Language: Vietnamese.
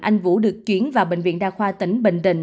anh vũ được chuyển vào bệnh viện đa khoa tỉnh bình định